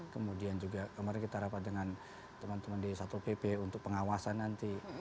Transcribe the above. kemudian juga kemarin kita rapat dengan teman teman di satu pp untuk pengawasan nanti